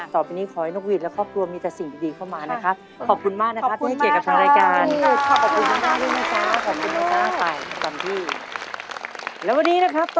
ต่อไปนี้ขอให้นกวิทย์และครอบครัวมีแต่สิ่งดีเข้ามานะครับ